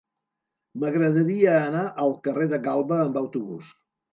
M'agradaria anar al carrer de Galba amb autobús.